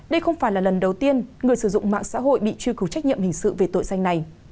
đây không phải là lần đầu tiên người sử dụng mạng xã hội bị truy cứu trách nhiệm hình sự về tội danh này